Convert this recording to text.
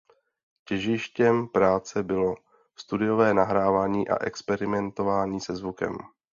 Těžištěm práce bylo studiové nahrávání a experimentování se zvukem.